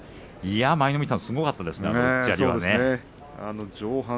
舞の海さん、すごかったですね。